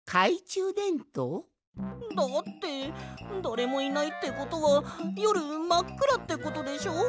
だってだれもいないってことはよるまっくらってことでしょ？